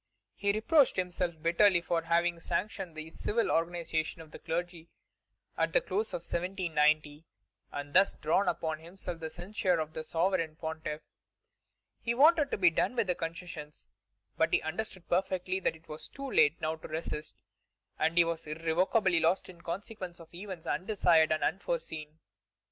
He reproached himself bitterly for having sanctioned the civil organization of the clergy at the close of 1790, and thus drawn upon himself the censure of the Sovereign Pontiff. He wanted to be done with concessions, but he understood perfectly that it was too late now to resist, and that he was irrevocably lost in consequence of events undesired and unforeseen.